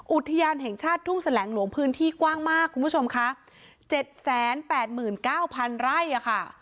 อุทยานแห่งชาติทุ่งแสลงหลวงพื้นที่กว้างมากคุณผู้ชมค่ะเจ็ดแสนแปดหมื่นเก้าพันไร่อ่ะค่ะ